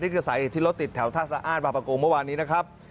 นี่คือสายหน่ี่ที่รถติดแถวทักษะอ้านบัปกงฤมตร์เมื่อวานนี้นะครับ